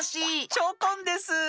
チョコンです！